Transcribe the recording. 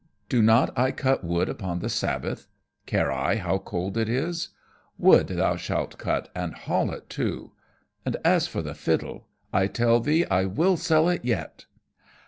Do not I cut wood upon the Sabbath? Care I how cold it is? Wood thou shalt cut, and haul it too, and as for the fiddle, I tell thee I will sell it yet."